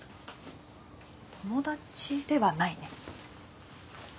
友達ではないね。